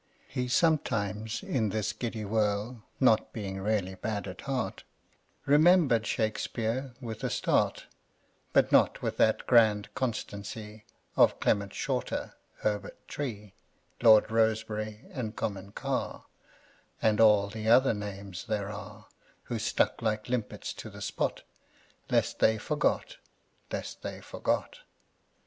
. He sometimes, in this giddy whirl (Not being really bad at heart), Remembered Shakespeare with a start But not with that grand constancy Of Clement Shorter, Herbert Tree, Lord Rosebery and Comyn Carr And all the other names there are; Who stuck like limpets to the spot, Lest they forgot, lest they forgot.